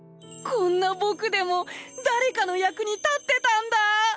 こんな僕でも誰かの役に立ってたんだ！